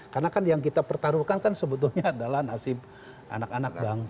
karena kan yang kita pertaruhkan kan sebetulnya adalah nasib anak anak bangsa